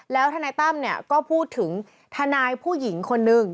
แล้วทนายตั้มเนี่ยก็พูดถึงทนายผู้หญิงคนนึง